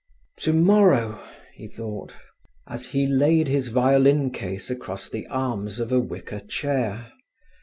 "Tomorrow," he thought, as he laid his violin case across the arms of a wicker chair.